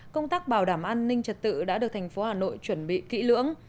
công tác bảo đảm an ninh trật tự đã được thành phố hà nội chuẩn bị kỹ lưỡng